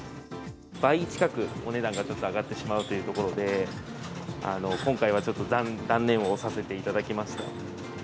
倍近く、お値段がちょっと上がってしまうというところで、今回はちょっと断念をさせていただきました。